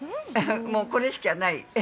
もうこれしかない。